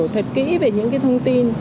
hãy tìm hiểu thật kỹ về những cái thông tin